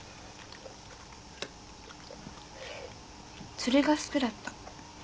釣りが好きだった。